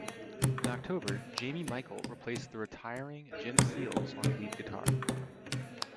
In October, Jamie Michael replaced the retiring Jim Seales on lead guitar.